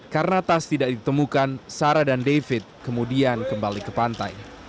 karena tas tidak ditemukan sarah dan david kemudian kembali ke pantai